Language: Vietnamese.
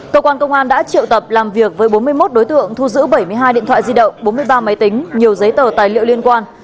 cơ quan công an đã triệu tập làm việc với bốn mươi một đối tượng thu giữ bảy mươi hai điện thoại di động bốn mươi ba máy tính nhiều giấy tờ tài liệu liên quan